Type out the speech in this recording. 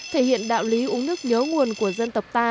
thể hiện đạo lý uống nước nhớ nguồn của dân tộc ta